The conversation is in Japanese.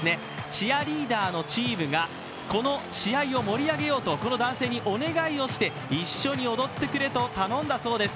チアリーダーのチームがこの試合を盛り上げようと、この男性にお願いをして、一緒に踊ってくれと頼んだそうです。